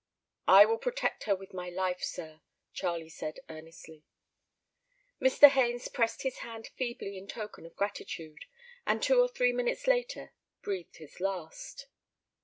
"I will protect her with my life, sir," Charlie said earnestly. Mr. Haines pressed his hand feebly in token of gratitude, and two or three minutes later breathed his last.